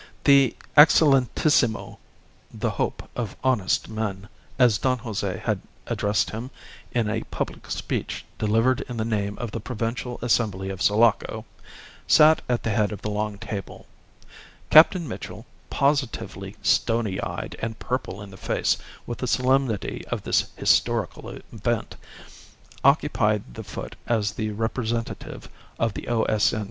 The Excellentissimo ("the hope of honest men," as Don Jose had addressed him in a public speech delivered in the name of the Provincial Assembly of Sulaco) sat at the head of the long table; Captain Mitchell, positively stony eyed and purple in the face with the solemnity of this "historical event," occupied the foot as the representative of the O.S.N.